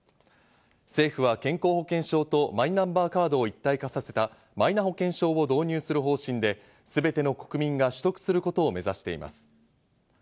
政府は健康保険証とマイナンバーカードを一体化させた、マイナ保険証を導入する方針で、すべての国民が取得することを目指しています。